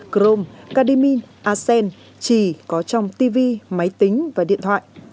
chrome cadmium arsen trì có trong tv máy tính và điện thoại